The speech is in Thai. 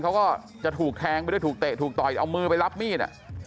เขาก็จะถูกแทงไปด้วยถูกเตะถูกต่อยเอามือไปรับมีด